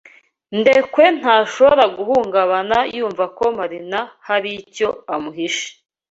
Ndekwe ntashobora guhungabana yumva ko Marina hari icyo amuhishe.